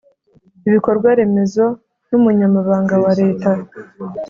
Ibikorwa Remezo n Umunyamabanga wa Leta